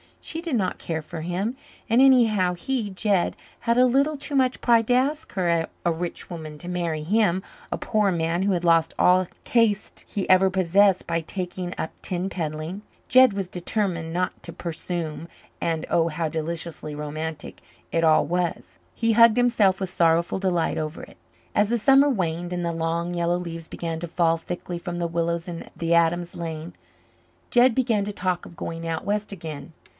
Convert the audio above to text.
She did not care for him, and anyhow he, Jed, had a little too much pride to ask her, a rich woman, to marry him, a poor man who had lost all caste he ever possessed by taking up tin peddling. Jed was determined not to "persoom." And, oh, how deliciously romantic it all was! He hugged himself with sorrowful delight over it. As the summer waned and the long yellow leaves began to fall thickly from the willows in the Adams lane Jed began to talk of going out west again.